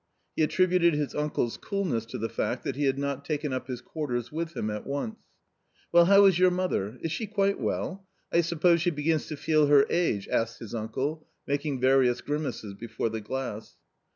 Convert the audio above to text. He attributed his uncle's coolness to the fact that he had not taken up his quarters with him at once. "Well, how is your mother? Is she quite well? I suppose she begins to feel her age?" asked his uncle, making various grimaces before the glass.